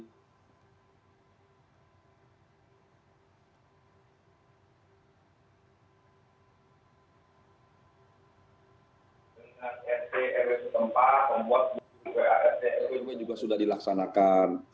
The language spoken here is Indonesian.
dengan sd rw setempat membuat juga sd rw juga sudah dilaksanakan